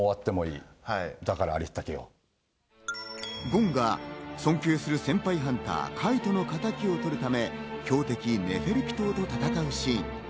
ゴンが尊敬する先輩ハンター・カイトの敵を取るため、強敵・ネフェルピトーと戦うシーン。